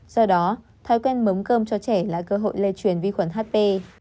do đó thói quen mống cơm cho trẻ là cơ hội lây truyền vi khuẩn hp